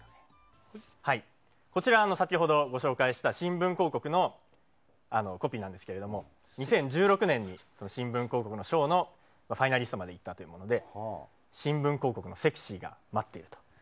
こちら、先ほどご紹介した新聞広告のコピーなんですが２０１６年に、新聞広告の賞のファイナリストまで行ったもので「新聞広告のセクシーが待っている。」と。